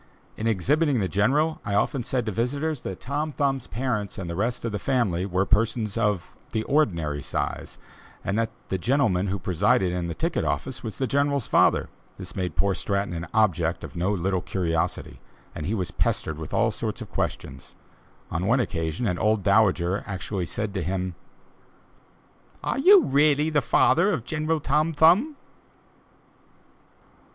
In exhibiting the General, I often said to visitors, that Tom Thumb's parents and the rest of the family were persons of the ordinary size, and that the gentleman who presided in the ticket office was the General's father. This made poor Stratton an object of no little curiosity, and he was pestered with all sorts of questions; on one occasion an old dowager said to him: "Are you really the father of General Tom Thumb?"